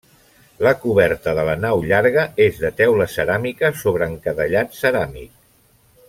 La coberta de la nau llarga és de teula ceràmica sobre encadellat ceràmic.